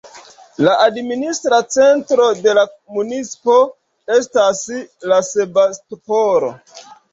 La administra centro de la municipo estas Sebastopolo.